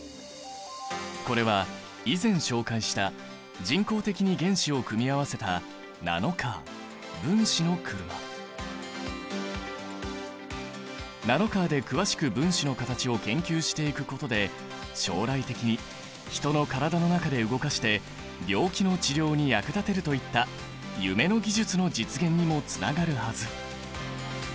これは以前紹介した人工的に原子を組み合わせたナノカーで詳しく分子の形を研究していくことで将来的に人の体の中で動かして病気の治療に役立てるといった夢の技術の実現にもつながるはず。